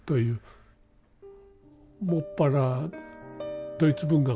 専らドイツ文学。